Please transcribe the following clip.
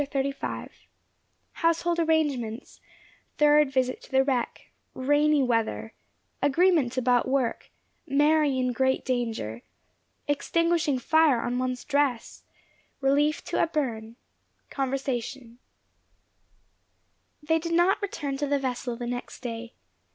CHAPTER XXXV HOUSEHOLD ARRANGEMENTS THIRD VISIT TO THE WRECK RAINY WEATHER AGREEMENT ABOUT WORK MARY IN GREAT DANGER EXTINGUISHING FIRE ON ONE'S DRESS RELIEF TO A BURN CONVERSATION They did not return to the vessel the next day.